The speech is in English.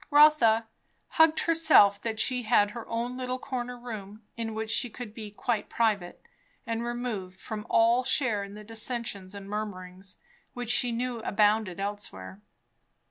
Rotha hugged herself that she had her own little corner room, in which she could be quite private and removed from all share in the dissensions and murmurings, which she knew abounded elsewhere.